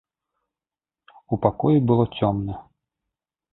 У пакоі было цёмна.